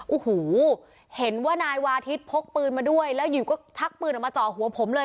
โอ้โหเห็นว่านายวาทิศพกปืนมาด้วยแล้วอยู่ก็ชักปืนออกมาจ่อหัวผมเลย